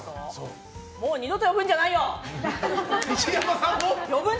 もう二度と呼ぶんじゃないよ！